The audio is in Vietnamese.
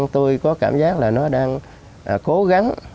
tôi có cảm giác là nó đang cố gắng